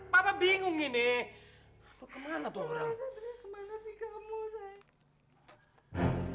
bapak saya terlalu keras sama dia pak